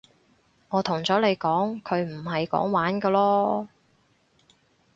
我同咗你講佢唔係講玩㗎囉